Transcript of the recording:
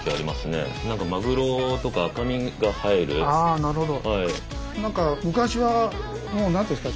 あなるほど。